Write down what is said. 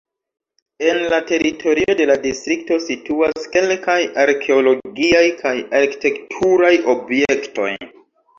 En la teritorio de la distrikto situas kelkaj arkeologiaj kaj arkitekturaj objektoj.